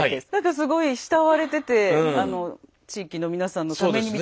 すごい慕われてて地域の皆さんのためにみたいのもあった。